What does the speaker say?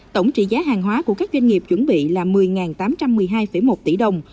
tổng trị giá hàng hóa của các doanh nghiệp chuẩn bị là một mươi tám trăm một mươi hai một tỷ đồng